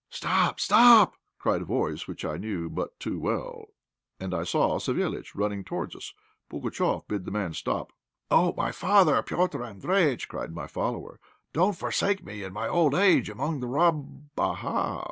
"Stop! stop!" cried a voice which I knew but too well; and I saw Savéliitch running towards us. Pugatchéf bid the man stop. "Oh! my father, Petr' Andréjïtch," cried my follower, "don't forsake me in my old age among the rob " "Aha!